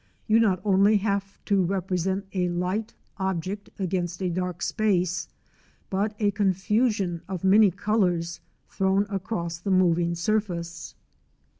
You not only have to represent a light object against a dark space, but a confusion of many colours thrown across the moving surface.